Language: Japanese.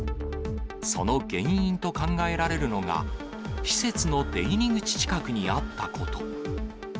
その原因と考えられるのが、施設の出入り口近くにあったこと。